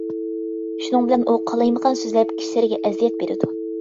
شۇنىڭ بىلەن ئۇ قالايمىقان سۆزلەپ كىشىلەرگە ئەزىيەت بېرىدۇ.